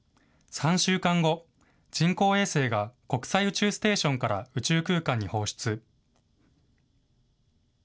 ３週間後、人工衛星が国際宇宙ステーションから宇宙空間に放出。